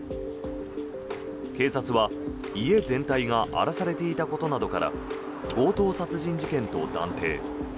警察は、家全体が荒らされていたことなどから強盗殺人事件と断定。